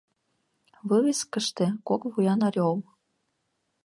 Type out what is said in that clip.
Вывескыште — кок вуян орёл.